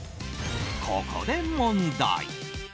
ここで問題。